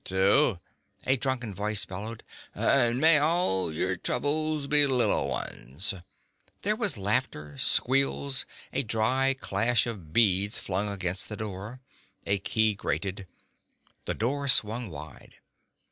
"All right, you two," a drunken voice bellowed. "And may all your troubles be little ones." There was laughter, squeals, a dry clash of beads flung against the door. A key grated. The door swung wide.